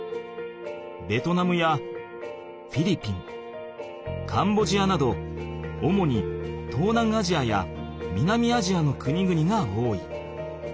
ベトナムやフィリピンカンボジアなど主に東南アジアや南アジアの国々が多い。